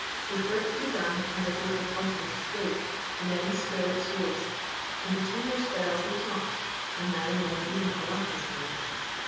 With work to be done, and a hope of ultimate escape, the men's spirits rose, and between their spells they talked, and now and then even a laugh was heard.